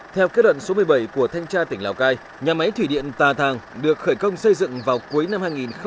theo kết luận số một mươi bảy của thanh tra tỉnh lào cai nhà máy thủy điện tà thàng được khởi công xây dựng vào cuối năm hai nghìn một mươi